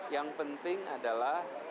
yang penting adalah